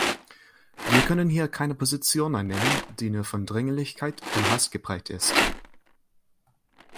Wir können hier keine Position einnehmen, die nur von Dringlichkeit und Hast geprägt ist.